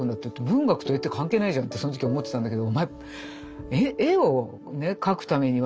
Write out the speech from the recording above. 文学と絵って関係ないじゃんってその時思ってたんだけど。